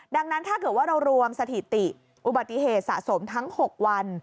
ดังนั้นถ้าเกิดว่าเรารวมสถิติอุบัติเหตุสะสมทั้ง๖วัน